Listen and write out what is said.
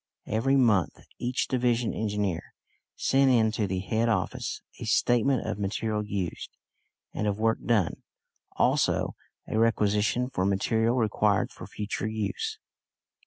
Every month each division engineer sent in to the head office a statement of material used, and of work done; also a requisition for material required for future use.